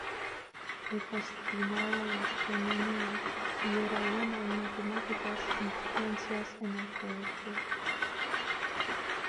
Le fascinaba la astronomía, y era buena en matemáticas y ciencias en el colegio.